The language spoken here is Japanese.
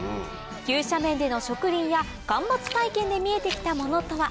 急斜面での植林や間伐体験で見えて来たものとは？